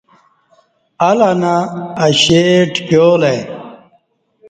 ال انہ اشی ٹکیالہ ای